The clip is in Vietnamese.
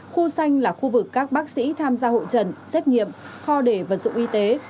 khu xanh là khu vực các bác sĩ tham gia hội trần xét nghiệm kho để vật dụng y tế